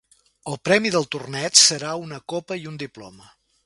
El premi del torneig serà una copa i un diploma.